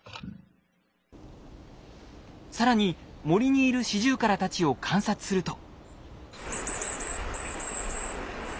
更に森にいるシジュウカラたちを観察すると。